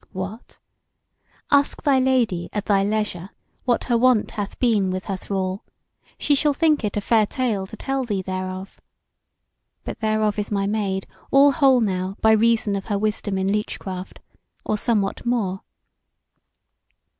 What! ask thy Lady at thy leisure what her wont hath been with her thrall; she shall think it a fair tale to tell thee thereof. But thereof is my Maid all whole now by reason of her wisdom in leechcraft, or somewhat more.